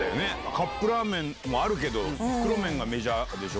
カップラーメンもあるけど、袋麺がメジャーでしょ？